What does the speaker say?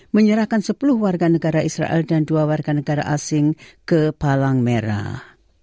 menyerahkan sepuluh warga negara israel dan dua warga negara asing ke palang merah